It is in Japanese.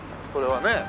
これはね。